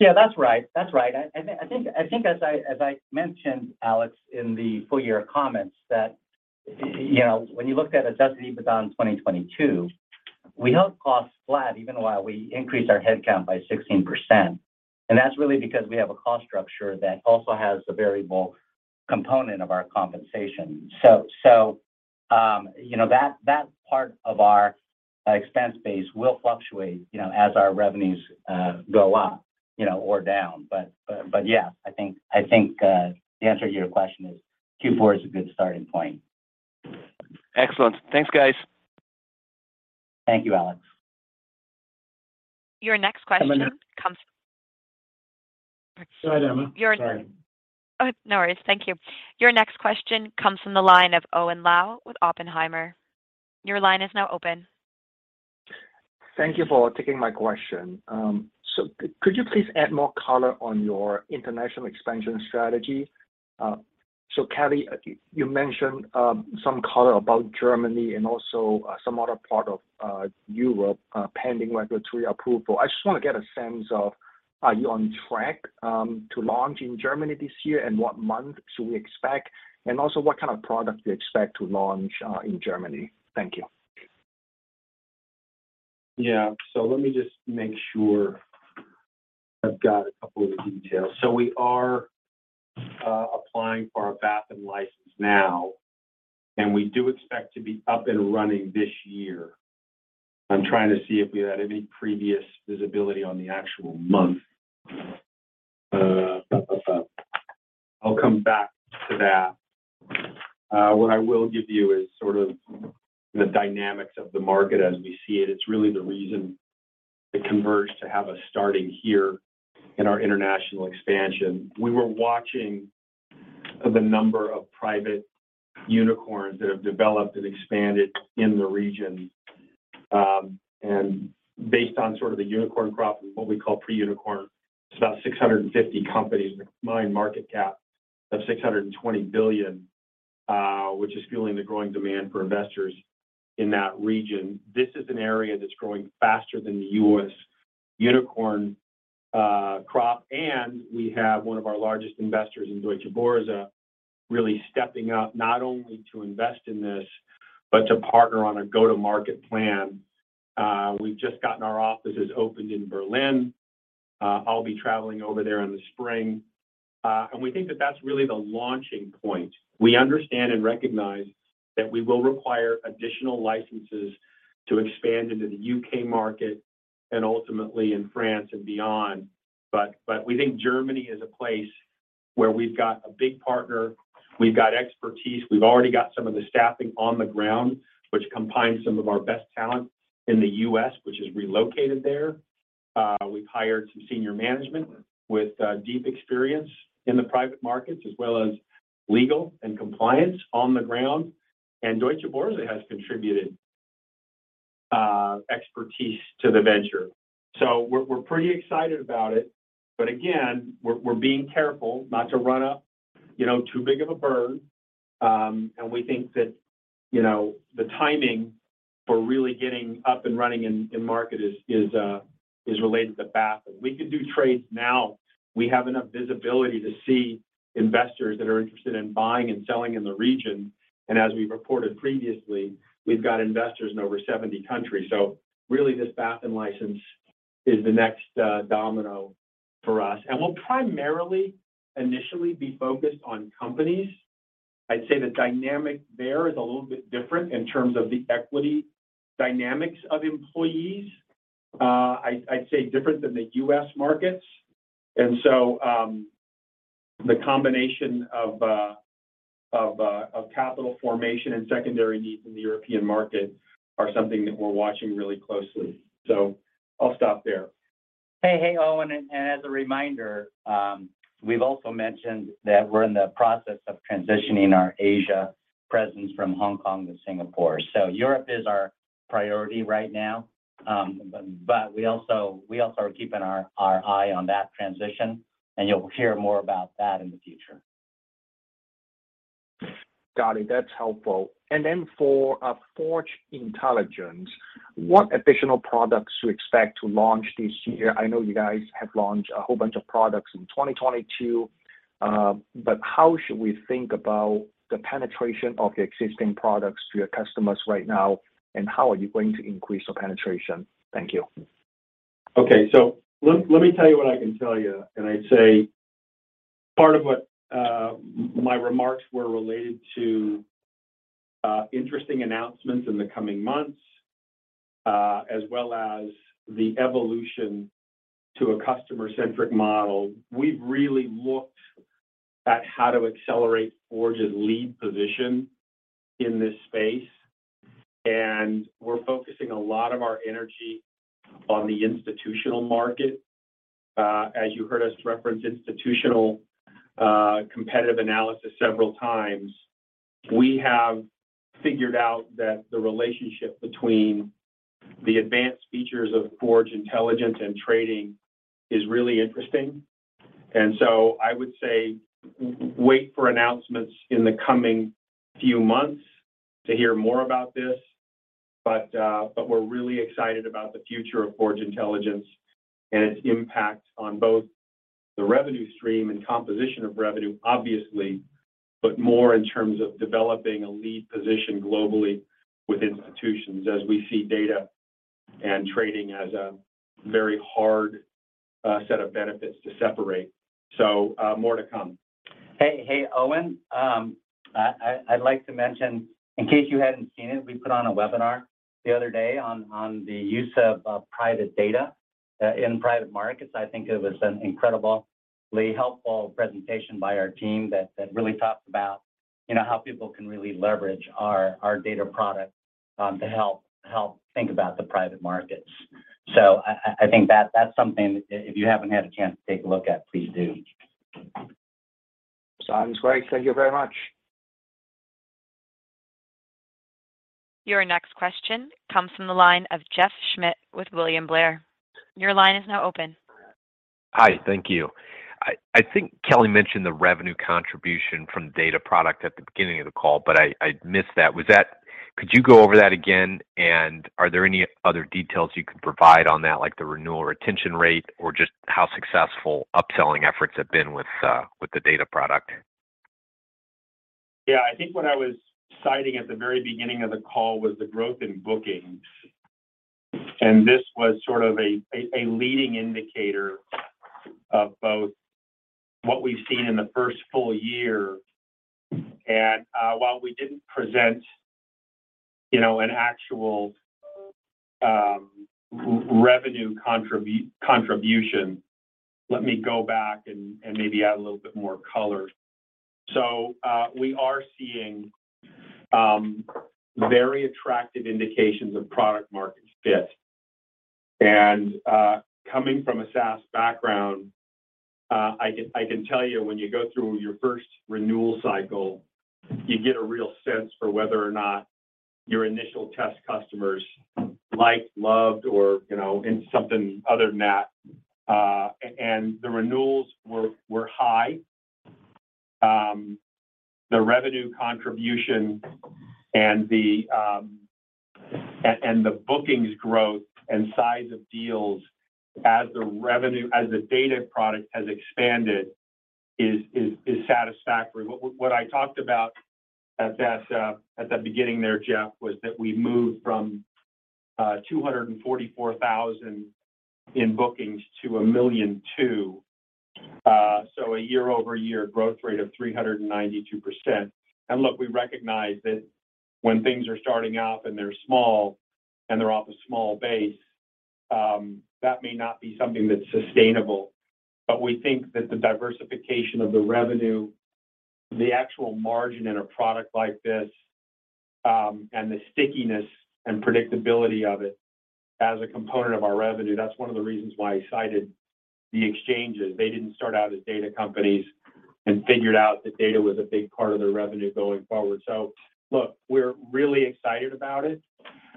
[SPEAKER 4] Yeah, that's right. That's right. I think as I mentioned, Alex, in the full year comments that, you know, when you looked at Adjusted EBITDA in 2022, we held costs flat even while we increased our headcount by 16%. That's really because we have a cost structure that also has a variable component of our compensation. You know, that part of our expense base will fluctuate, you know, as our revenues go up, you know, or down. Yeah, I think, the answer to your question is Q4 is a good starting point.
[SPEAKER 6] Excellent. Thanks, guys.
[SPEAKER 4] Thank you, Alex.
[SPEAKER 1] Your next question comes...
[SPEAKER 3] Emma?
[SPEAKER 1] Your n-
[SPEAKER 3] Go ahead, Emma. Sorry.
[SPEAKER 1] Oh, no worries. Thank you. Your next question comes from the line of Owen Lau with Oppenheimer. Your line is now open.
[SPEAKER 7] Thank you for taking my question. Could you please add more color on your international expansion strategy? Kelly, you mentioned some color about Germany and also some other part of Europe pending regulatory approval. I just wanna get a sense of, are you on track to launch in Germany this year, and what month should we expect? What kind of product do you expect to launch in Germany? Thank you.
[SPEAKER 3] Let me just make sure I've got a couple of the details. We are applying for our BaFin license now, and we do expect to be up and running this year. I'm trying to see if we had any previous visibility on the actual month. I'll come back to that. What I will give you is sort of the dynamics of the market as we see it. It's really the reason it converged to have us starting here in our international expansion. We were watching the number of private unicorns that have developed and expanded in the region. Based on sort of the unicorn crop and what we call pre-unicorn, it's about 650 companies with a combined market cap of $620 billion, which is fueling the growing demand for investors in that region. This is an area that's growing faster than the U.S. unicorn crop. We have one of our largest investors in Deutsche Börse really stepping up not only to invest in this, but to partner on a go-to-market plan. We've just gotten our offices opened in Berlin. I'll be traveling over there in the spring. We think that that's really the launching point. We understand and recognize that we will require additional licenses to expand into the U.K. market and ultimately in France and beyond. We think Germany is a place where we've got a big partner, we've got expertise, we've already got some of the staffing on the ground, which combines some of our best talent in the U.S., which is relocated there. We've hired some senior management with deep experience in the private markets, as well as legal and compliance on the ground. Deutsche Börse has contributed expertise to the venture. We're, we're pretty excited about it. Again, we're being careful not to run up, you know, too big of a bird. We think that, you know, the timing for really getting up and running in market is related to BaFin. We can do trades now. We have enough visibility to see investors that are interested in buying and selling in the region. As we've reported previously, we've got investors in over 70 countries. Really this BaFin license is the next domino for us. We'll primarily initially be focused on companies. I'd say the dynamic there is a little bit different in terms of the equity dynamics of employees. I'd say different than the U.S. markets. The combination of capital formation and secondary needs in the European market are something that we're watching really closely. I'll stop there.
[SPEAKER 4] Hey, hey, Owen. As a reminder, we've also mentioned that we're in the process of transitioning our Asia presence from Hong Kong to Singapore. Europe is our priority right now, but we also are keeping our eye on that transition, and you'll hear more about that in the future.
[SPEAKER 7] Got it. That's helpful. Then for Forge Intelligence, what additional products you expect to launch this year? I know you guys have launched a whole bunch of products in 2022, how should we think about the penetration of the existing products to your customers right now, and how are you going to increase your penetration? Thank you.
[SPEAKER 3] Let me tell you what I can tell you. I'd say part of what my remarks were related to interesting announcements in the coming months, as well as the evolution to a customer-centric model. We've really looked at how to accelerate Forge's lead position in this space, and we're focusing a lot of our energy on the institutional market. As you heard us reference institutional competitive analysis several times, we have figured out that the relationship between the advanced features of Forge Intelligence and trading is really interesting. I would say wait for announcements in the coming few months to hear more about this. We're really excited about the future of Forge Intelligence and its impact on both the revenue stream and composition of revenue, obviously, but more in terms of developing a lead position globally with institutions as we see data and trading as a very hard set of benefits to separate. More to come.
[SPEAKER 4] Hey, hey, Owen. I'd like to mention, in case you hadn't seen it, we put on a webinar the other day on the use of private data in private markets. I think it was an incredibly helpful presentation by our team that really talked about, you know, how people can really leverage our data product to help think about the private markets. I think that that's something if you haven't had a chance to take a look at, please do.
[SPEAKER 7] Sounds great. Thank you very much.
[SPEAKER 1] Your next question comes from the line of Jeff Schmitt with William Blair. Your line is now open.
[SPEAKER 8] Hi. Thank you. I think Kelly mentioned the revenue contribution from data product at the beginning of the call, but I missed that. Could you go over that again? Are there any other details you could provide on that, like the renewal retention rate or just how successful upselling efforts have been with the data product?
[SPEAKER 3] Yeah. I think what I was citing at the very beginning of the call was the growth in bookings. This was sort of a leading indicator of both what we've seen in the first full year. While we didn't present, you know, an actual revenue contribution, let me go back and maybe add a little bit more color. We are seeing very attractive indications of product market fit. Coming from a SaaS background, I can tell you when you go through your first renewal cycle, you get a real sense for whether or not your initial test customers liked, loved, or, you know, in something other than that. The renewals were high. The revenue contribution and the bookings growth and size of deals as the data product has expanded is satisfactory. What I talked about at the beginning there, Jeff Schmitt, was that we moved from $244,000 in bookings to $1.2 million. A year-over-year growth rate of 392%. Look, we recognize that when things are starting off, and they're small and they're off a small base, that may not be something that's sustainable. We think that the diversification of the revenue, the actual margin in a product like this, and the stickiness and predictability of it as a component of our revenue, that's one of the reasons why I cited the exchanges. They didn't start out as data companies and figured out that data was a big part of their revenue going forward. Look, we're really excited about it,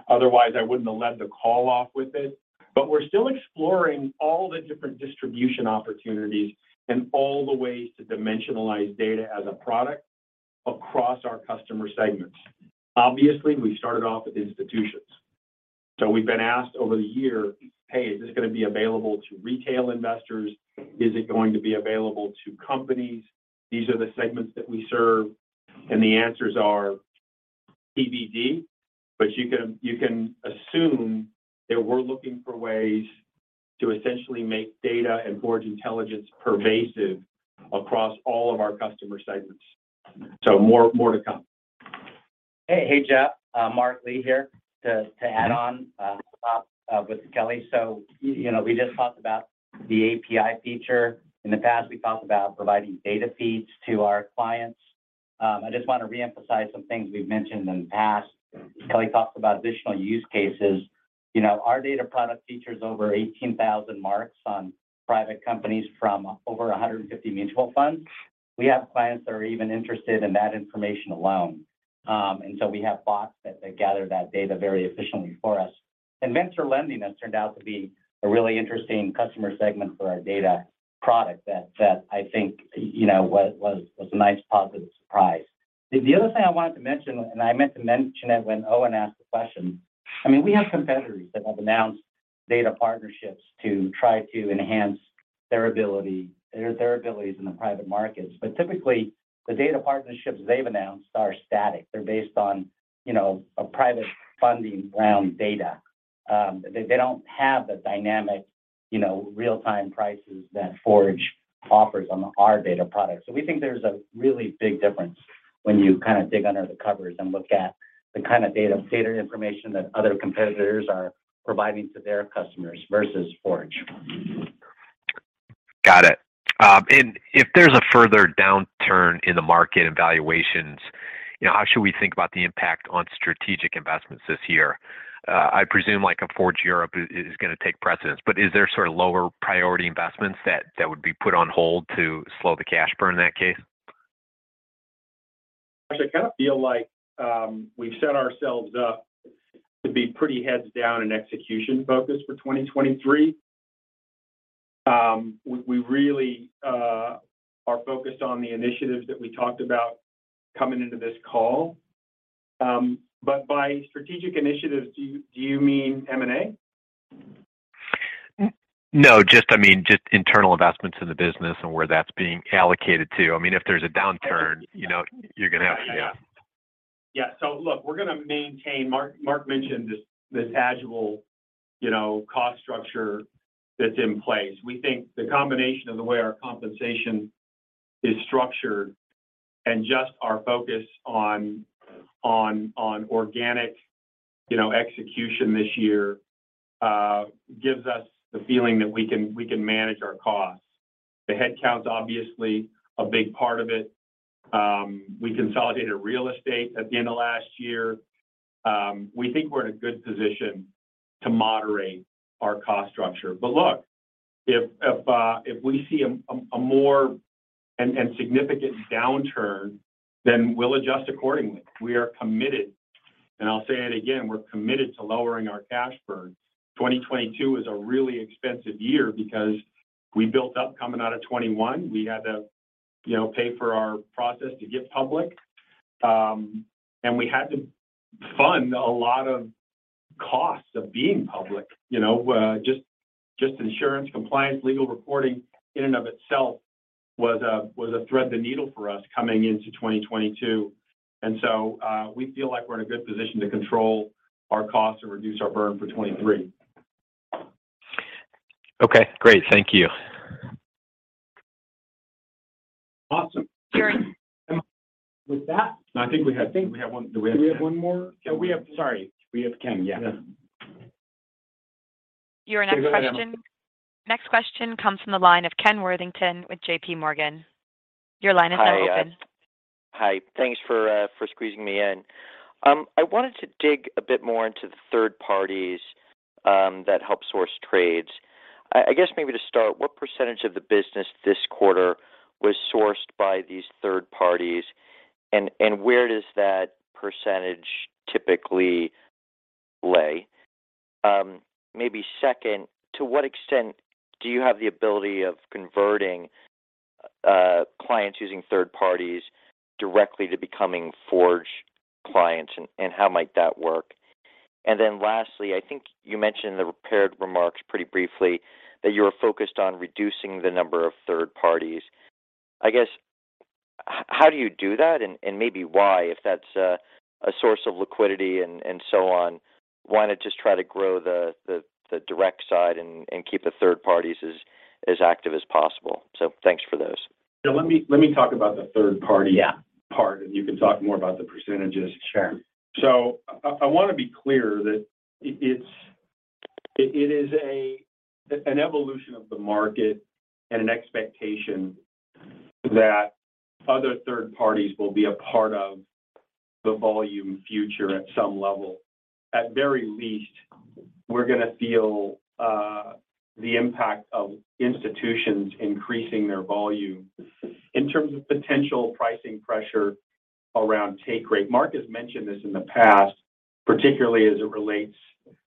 [SPEAKER 3] otherwise I wouldn't have led the call off with it. We're still exploring all the different distribution opportunities and all the ways to dimensionalize data as a product across our customer segments. Obviously, we started off with institutions. We've been asked over the year, "Hey, is this gonna be available to retail investors? Is it going to be available to companies?" These are the segments that we serve. The answers are TBD. You can assume that we're looking for ways to essentially make data and Forge Intelligence pervasive across all of our customer segments. More to come.
[SPEAKER 4] Hey, hey, Jeff. Mark Lee here to add on with Kelly. You know, we just talked about the API feature. In the past, we talked about providing data feeds to our clients. I just wanna reemphasize some things we've mentioned in the past. Kelly talked about additional use cases. You know, our data product features over 18,000 marks on private companies from over 150 mutual funds. We have clients that are even interested in that information alone. We have bots that gather that data very efficiently for us. Venture lending has turned out to be a really interesting customer segment for our data product that I think, you know, was a nice positive surprise. The other thing I wanted to mention, I meant to mention it when Owen asked the question. I mean, we have competitors that have announced data partnerships to try to enhance or their abilities in the private markets. Typically, the data partnerships they've announced are static. They're based on, you know, a private funding round data. They don't have the dynamic, you know, real-time prices that Forge offers on our data product. We think there's a really big difference when you kinda dig under the covers and look at the kind of data, stated information that other competitors are providing to their customers versus Forge.
[SPEAKER 8] Got it. If there's a further downturn in the market and valuations, you know, how should we think about the impact on strategic investments this year? I presume like a Forge Europe is gonna take precedence, but is there sort of lower priority investments that would be put on hold to slow the cash burn in that case?
[SPEAKER 3] I kind of feel like, we've set ourselves up to be pretty heads down and execution-focused for 2023. We really are focused on the initiatives that we talked about coming into this call. By strategic initiatives, do you mean M&A?
[SPEAKER 8] No, I mean, just internal investments in the business and where that's being allocated to. I mean, if there's a downturn, you know, you're gonna have... Yeah.
[SPEAKER 3] Look, we're gonna maintain. Mark mentioned this tangible, you know, cost structure that's in place. We think the combination of the way our compensation is structured and just our focus on organic, you know, execution this year gives us the feeling that we can manage our costs. The headcount's obviously a big part of it. We consolidated real estate at the end of last year. We think we're in a good position to moderate our cost structure. Look, if we see a more and significant downturn, then we'll adjust accordingly. We are committed, and I'll say it again, we're committed to lowering our cash burn. 2022 is a really expensive year because we built up coming out of 2021. We had to, you know, pay for our process to get public. We had to fund a lot of costs of being public. You know, insurance, compliance, legal reporting in and of itself was a thread the needle for us coming into 2022. We feel like we're in a good position to control our costs and reduce our burn for 2023.
[SPEAKER 8] Okay, great. Thank you.
[SPEAKER 3] Awesome.
[SPEAKER 1] Ken.
[SPEAKER 3] With that-
[SPEAKER 4] I think we have one. Do we have one more?
[SPEAKER 3] We have one more.
[SPEAKER 4] Yeah, we have. Sorry. We have Ken, yeah.
[SPEAKER 3] Yeah.
[SPEAKER 1] Next question comes from the line of Ken Worthington with JPMorgan. Your line is now open.
[SPEAKER 9] Hi. Thanks for squeezing me in. I wanted to dig a bit more into the third parties that help source trades. I guess maybe to start, what percentage of the business this quarter was sourced by these third parties, and where does that percentage typically lay? Maybe second, to what extent do you have the ability of converting clients using third parties directly to becoming Forge clients, and how might that work? Lastly, I think you mentioned in the prepared remarks pretty briefly that you're focused on reducing the number of third parties. I guess, how do you do that, and maybe why, if that's a source of liquidity and so on, why not just try to grow the direct side and keep the third parties as active as possible? Thanks for those.
[SPEAKER 3] Yeah, let me talk about the third party-
[SPEAKER 9] Yeah.
[SPEAKER 3] -part. You can talk more about the percentages.
[SPEAKER 9] Sure.
[SPEAKER 3] I wanna be clear that it is an evolution of the market and an expectation that other third parties will be a part of the volume future at some level. At very least, we're gonna feel the impact of institutions increasing their volume. In terms of potential pricing pressure around take rate, Mark has mentioned this in the past, particularly as it relates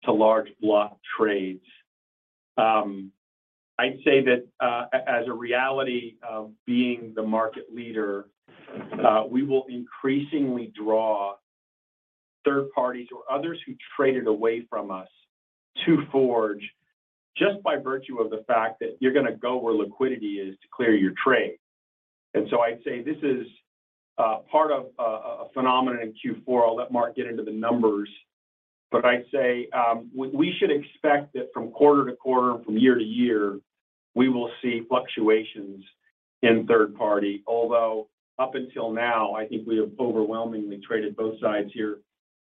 [SPEAKER 3] to large block trades. I'd say that as a reality of being the market leader, we will increasingly draw third parties or others who traded away from us to Forge just by virtue of the fact that you're gonna go where liquidity is to clear your trade. I'd say this is part of a phenomenon in Q4. I'll let Mark get into the numbers. I'd say, we should expect that from quarter to quarter and from year to year, we will see fluctuations in third party, although up until now, I think we have overwhelmingly traded both sides here.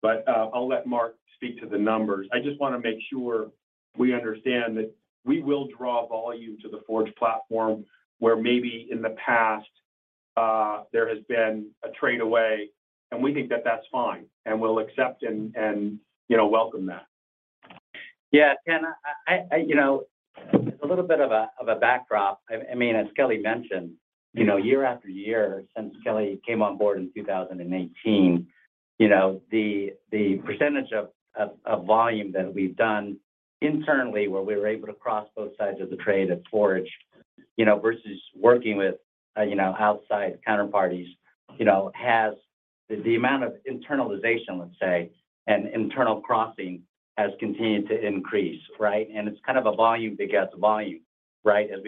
[SPEAKER 3] I'll let Mark speak to the numbers. I just wanna make sure we understand that we will draw volume to the Forge platform, where maybe in the past, there has been a trade away, and we think that that's fine, and we'll accept and, you know, welcome that.
[SPEAKER 4] Yeah. I, you know, a little bit of a backdrop. I mean, as Kelly mentioned, you know, year after year since Kelly came on board in 2018, you know, the percentage of volume that we've done internally where we were able to cross both sides of the trade at Forge, you know, versus working with, you know, outside counterparties, you know, has the amount of internalization, let's say, and internal crossing has continued to increase, right? It's kind of a volume begets volume, right? As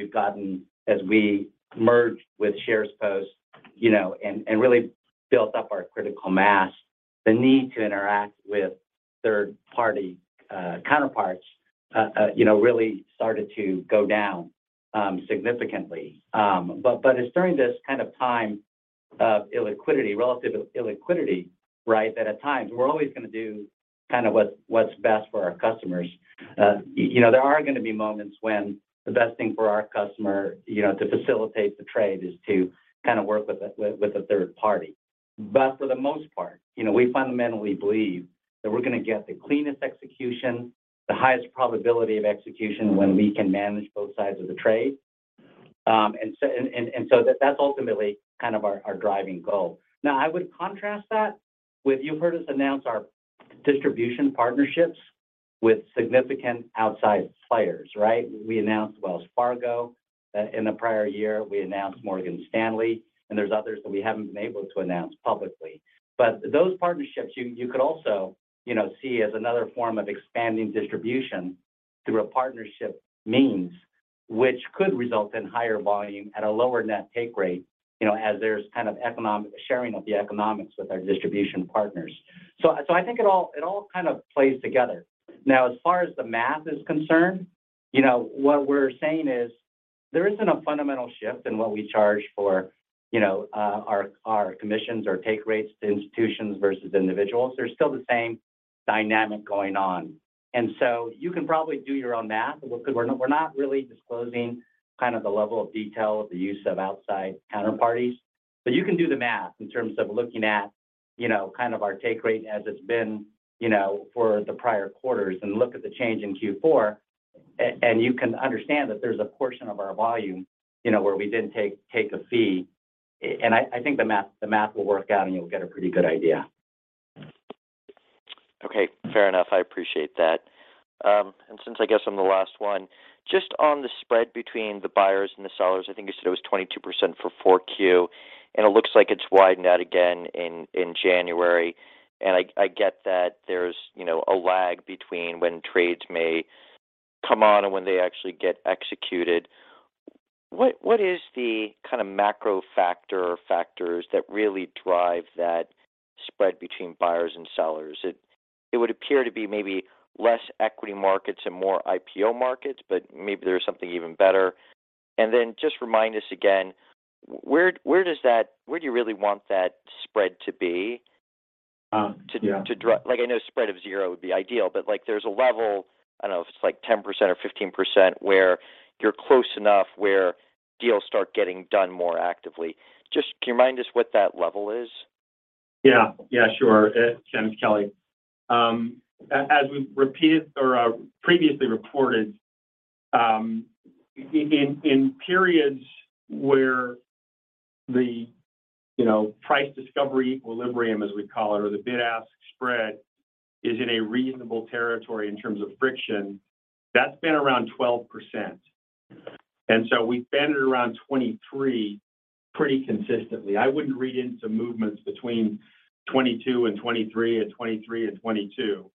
[SPEAKER 4] we merged with SharesPost, you know, and really built up our critical mass, the need to interact with third-party counterparts, you know, really started to go down significantly. But it's during this kind of time of illiquidity, relative illiquidity, right, that at times we're always gonna do kind of what's best for our customers. You know, there are gonna be moments when the best thing for our customer, you know, to facilitate the trade is to kind of work with with a third party. For the most part, you know, we fundamentally believe that we're gonna get the cleanest execution, the highest probability of execution when we can manage both sides of the trade. That's ultimately kind of our driving goal. Now, I would contrast that with you've heard us announce our distribution partnerships with significant outside players, right? We announced Wells Fargo. In the prior year, we announced Morgan Stanley, and there's others that we haven't been able to announce publicly. Those partnerships, you could also, you know, see as another form of expanding distribution through a partnership means, which could result in higher volume at a lower net take rate, you know, as there's kind of economic sharing of the economics with our distribution partners. I think it all kind of plays together. Now, as far as the math is concerned, you know, what we're saying is there isn't a fundamental shift in what we charge for, you know, our commissions or take rates to institutions versus individuals. There's still the same dynamic going on. You can probably do your own math because we're not really disclosing kind of the level of detail of the use of outside counterparties. You can do the math in terms of looking at, you know, kind of our take rate as it's been, you know, for the prior quarters and look at the change in Q4. You can understand that there's a portion of our volume, you know, where we didn't take a fee. I think the math will work out, and you'll get a pretty good idea.
[SPEAKER 9] Okay, fair enough. I appreciate that. Since I guess I'm the last one, just on the spread between the buyers and the sellers, I think you said it was 22% for Q4, and it looks like it's widened out again in January. I get that there's, you know, a lag between when trades may come on and when they actually get executed. What is the kind of macro factor or factors that really drive that spread between buyers and sellers? It would appear to be maybe less equity markets and more IPO markets, but maybe there's something even better. Just remind us again, where do you really want that spread to be?
[SPEAKER 3] Yeah.
[SPEAKER 9] Like I know spread of 0 would be ideal, but, like, there's a level, I don't know if it's like 10% or 15%, where you're close enough where deals start getting done more actively. Just can you remind us what that level is?
[SPEAKER 3] Yeah, sure. It's Kelly. As we've repeated or previously reported, in periods where the, you know, price discovery equilibrium, as we call it, or the bid-ask spread is in a reasonable territory in terms of friction, that's been around 12%. We've been at around 23 pretty consistently. I wouldn't read into movements between 22 and 23 or 23 and 22.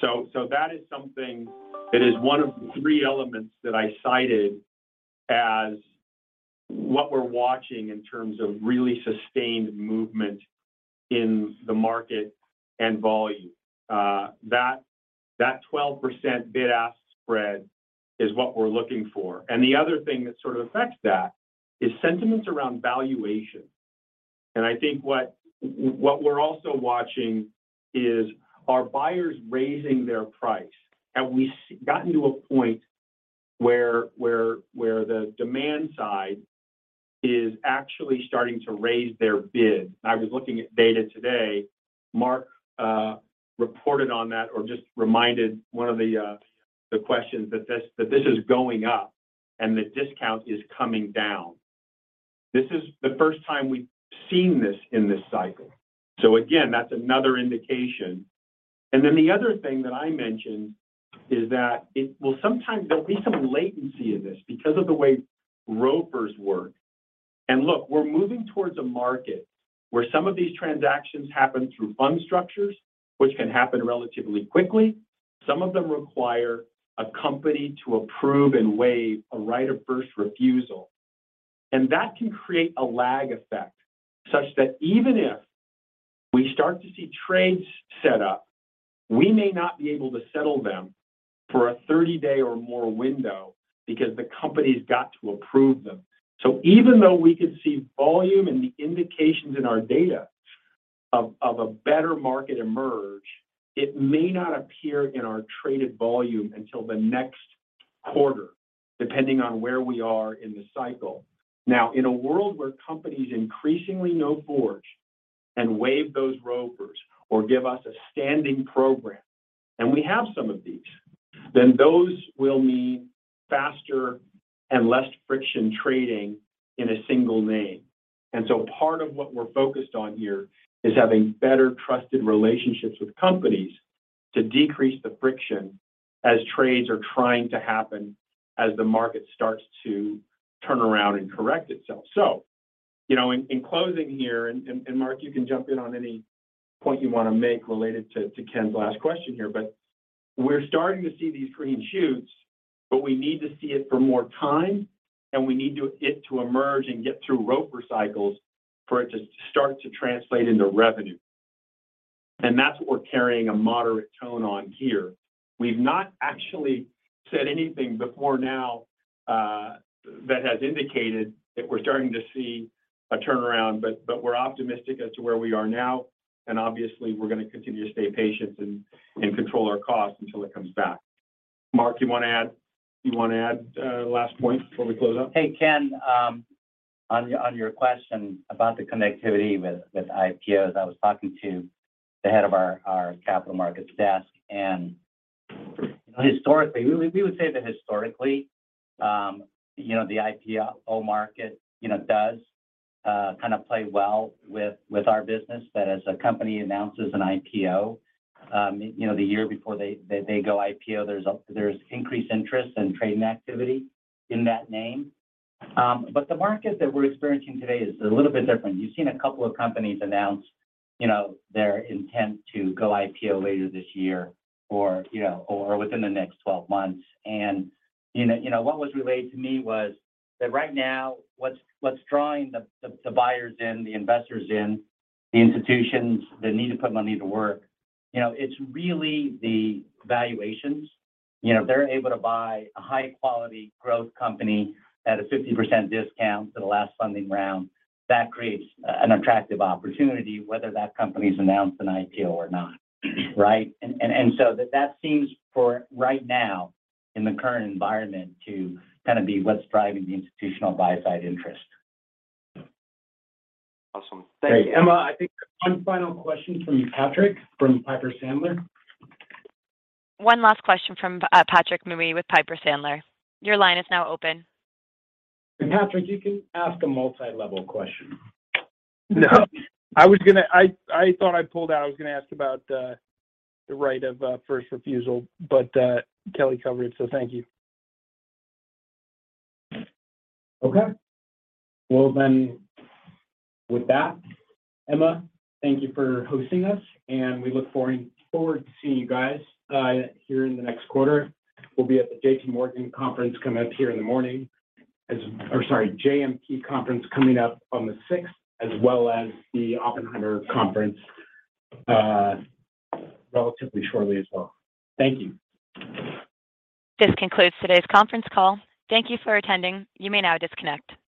[SPEAKER 3] That is something that is one of the three elements that I cited as what we're watching in terms of really sustained movement in the market and volume. That 12% bid-ask spread is what we're looking for. The other thing that sort of affects that is sentiments around valuation. I think what we're also watching is, are buyers raising their price? Have we gotten to a point where the demand side is actually starting to raise their bid? I was looking at data today. Mark reported on that or just reminded one of the questions that this is going up and the discount is coming down. This is the first time we've seen this in this cycle. Again, that's another indication. Then the other thing that I mentioned is that well, sometimes there'll be some latency in this because of the way ROFRs work. Look, we're moving towards a market where some of these transactions happen through fund structures, which can happen relatively quickly. Some of them require a company to approve and waive a right of first refusal. That can create a lag effect such that even if we start to see trades set up, we may not be able to settle them for a 30-day or more window because the company's got to approve them. Even though we could see volume and the indications in our data of a better market emerge, it may not appear in our traded volume until the next quarter, depending on where we are in the cycle. In a world where companies increasingly know Forge and waive those ROFRs or give us a standing program, and we have some of these, those will mean faster and less friction trading in a single name. Part of what we're focused on here is having better trusted relationships with companies to decrease the friction as trades are trying to happen, as the market starts to turn around and correct itself. You know, in closing here, and Mark, you can jump in on any point you wanna make related to Ken's last question here. We're starting to see these green shoots, but we need to see it for more time, and we need it to emerge and get through ROFR cycles for it to start to translate into revenue. That's what we're carrying a moderate tone on here. We've not actually said anything before now that has indicated that we're starting to see a turnaround, but we're optimistic as to where we are now. Obviously, we're gonna continue to stay patient and control our costs until it comes back. Mark, do you wanna add a last point before we close out?
[SPEAKER 4] Hey, Ken, on your question about the connectivity with IPOs, I was talking to the head of our capital markets desk. We would say that historically, you know, the IPO market, you know, does kind of play well with our business that as a company announces an IPO, you know, the year before they go IPO, there's increased interest and trading activity in that name. The market that we're experiencing today is a little bit different. You've seen a couple of companies announce, you know, their intent to go IPO later this year or, you know, or within the next 12 months. You know, what was relayed to me was that right now, what's drawing the buyers in, the investors in, the institutions that need to put money to work, you know, it's really the valuations. You know, if they're able to buy a high-quality growth company at a 50% discount to the last funding round, that creates an attractive opportunity, whether that company's announced an IPO or not, right? That seems for right now in the current environment to kind of be what's driving the institutional buy-side interest.
[SPEAKER 3] Awesome. Thank you.
[SPEAKER 4] Emma, I think one final question from Patrick, from Piper Sandler.
[SPEAKER 1] One last question from Patrick Moley with Piper Sandler. Your line is now open.
[SPEAKER 3] Patrick, you can ask a multi-level question.
[SPEAKER 10] No. I was gonna ask about the right of first refusal. Kelly covered. Thank you.
[SPEAKER 3] Okay. Well, with that, Emma, thank you for hosting us, and we look forward to seeing you guys here in the next quarter. We'll be at the JPMorgan conference coming up here in the morning, or sorry, JMP conference coming up on the sixth, as well as the Oppenheimer conference relatively shortly as well. Thank you.
[SPEAKER 1] This concludes today's conference call. Thank you for attending. You may now disconnect.